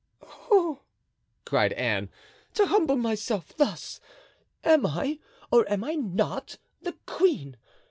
"Oh!" cried Anne, "to humble myself thus! Am I, or am I not, the queen?